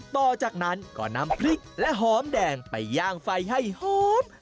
ต่อจากนั้นก็นำพริกและหอมแดงไปย่างไฟให้หอม